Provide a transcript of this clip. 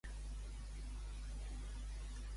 Creia que li sortia una altra mà?